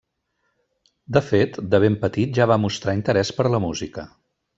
De fet, de ben petit ja va mostrar interès per la música.